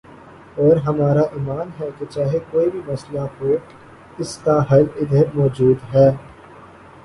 اور ہمارا ایمان ہے کہ چاہے کوئی بھی مسئلہ ہو اسکا حل ادھر موجود ہے